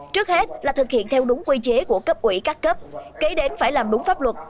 trước hết là thực hiện theo đúng quy chế của cấp ủy các cấp kế đến phải làm đúng pháp luật